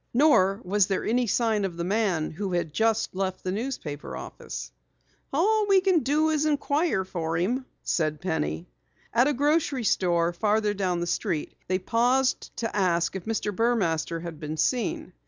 Nor was there any sign of the man who had just left the newspaper office. "All we can do is inquire for him," said Penny. At a grocery store farther down the street they paused to ask if Mr. Burmaster had been seen.